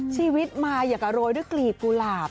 ชีวิตมาอยากจะโรยด้วยกลีบกุหลาบ